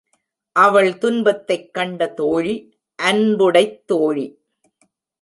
அவள் துன்பத்தைக் கண்ட தோழி, அன்புடைத் தோழி!